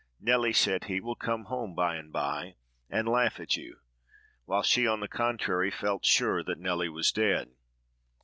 "Nelly," said he, "will come home by and by and laugh at you;" while she, on the contrary, felt sure that Nelly was dead.